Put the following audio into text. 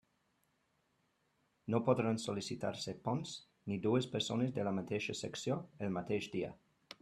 No podran sol·licitar-se ponts, ni dues persones de la mateixa secció el mateix dia.